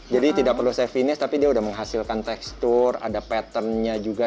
jadi tidak perlu saya finish tapi dia sudah menghasilkan tekstur ada patternnya juga